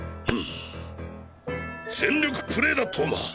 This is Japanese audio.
全力プレーだ投馬！